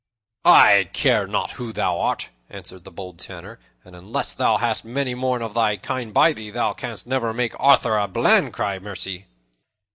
"I care not who thou art," answered the bold Tanner, "and unless thou hast many more of thy kind by thee, thou canst never make Arthur a Bland cry 'A mercy.'"